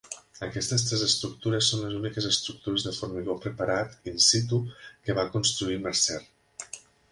Aquestes tres estructures són les úniques estructures de formigó preparat in situ que va construir Mercer.